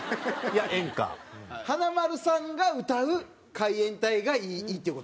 華丸さんが歌う海援隊がいいっていう事？